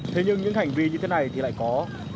thế nhưng những hành vi như thế này thì lại có